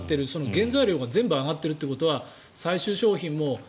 原材料が全部上がっているということは最終商品も。